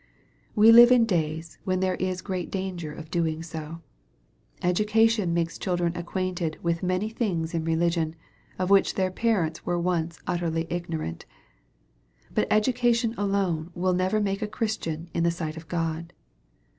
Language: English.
We live in days when there is great danger of doing so. Education makes children acquainted with many things in religion, of wmch their parents were once utterly ignorant. But education alone will never make a Christian in the sight of God.